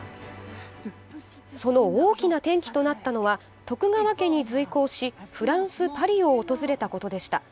その大きな転機となったのは徳川家に随行しフランス・パリを訪れたことでした。